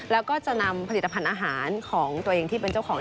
แล้วก็จะนำผลิตภัณฑ์อาหารของตัวเองที่เป็นเจ้าของ